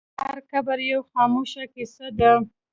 هر قبر یوه خاموشه کیسه ده.